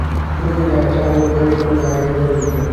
ছোটোকে যাঁহারা সামান্য বলিয়া ভুল করেন না তাঁহারা ইহার রস বুঝিবেন।